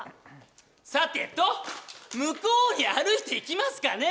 さてと、向こうに歩いて行きますかね。